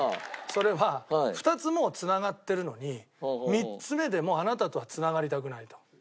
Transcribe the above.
それは２つもう繋がってるのに３つ目でもうあなたとは繋がりたくないと。